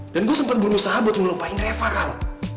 dan gue sempet berusaha buat ngelupain reva kal